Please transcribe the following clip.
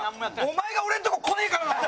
お前が俺のとこ来ねえからだろ！